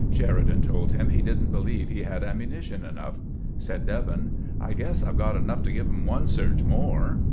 Sheridan told him he did n't believe he had ammunition enough. Said Devin :" I guess I 've got enough to give 'em one surge more."